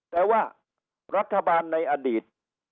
แต่ว่ารัฐบาลในอดีต